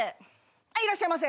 はいいらっしゃいませ。